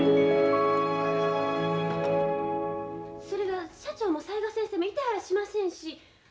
それが社長も雑賀先生もいてはらしませんし。